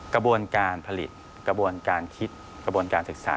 กระบวนการผลิตกระบวนการคิดกระบวนการศึกษา